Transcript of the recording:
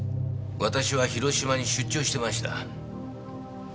私は広島に出張してました。